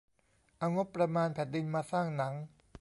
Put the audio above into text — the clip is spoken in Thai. เอางบประมาณแผ่นดิน มาสร้างหนัง